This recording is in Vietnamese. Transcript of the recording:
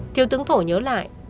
thiếu tướng thổ nhớ lại